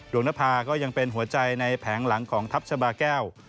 นภาก็ยังเป็นหัวใจในแผงหลังของทัพชาบาแก้ว